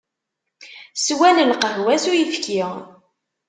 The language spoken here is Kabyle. Swan lqahwa s uyefki.